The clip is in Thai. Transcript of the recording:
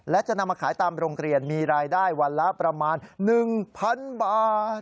และจะนำมาขายตามโรงเรียนมีรายได้วันละประมาณ๑๐๐๐บาท